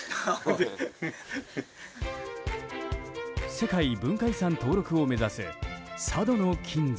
世界文化遺産登録を目指す佐渡島の金山。